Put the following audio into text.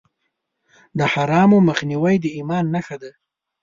د حرامو مخنیوی د ایمان نښه ده.